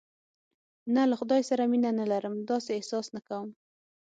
نه، له خدای سره مینه نه لرم، داسې احساس نه کوم.